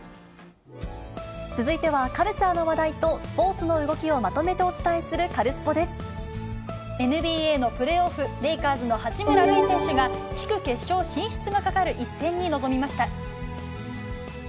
続いては、カルチャーの話題とスポーツの動きをまとめてお伝えするカルスポＮＢＡのプレーオフ、レイカーズの八村塁選手が地区決勝進出がかかる一戦に臨みました。